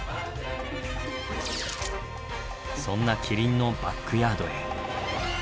そんなキリンのバックヤードへ。